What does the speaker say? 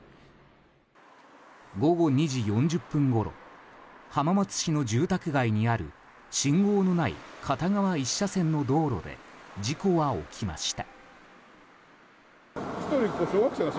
午後２時４０分ごろ浜松市の住宅街にある信号のない片側１車線の道路で事故は起きました。